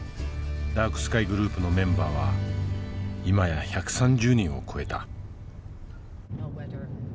ダークスカイグループのメンバーは今や１３０人を超えた。